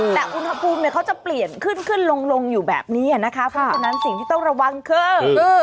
แต่อุณหภูมิเนี่ยเขาจะเปลี่ยนขึ้นขึ้นลงลงอยู่แบบนี้นะคะเพราะฉะนั้นสิ่งที่ต้องระวังคือ